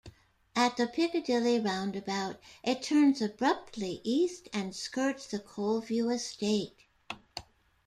At the Piccadilly roundabout it turns abruptly east and skirts the Coleview Estate.